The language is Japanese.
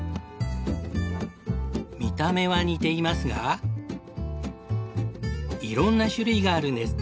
見た目は似ていますが色んな種類があるんです。